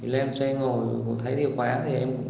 lên xe ngồi thấy thì khóa thì em cũng đề nổ